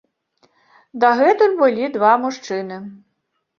Дагэтуль былі два мужчыны.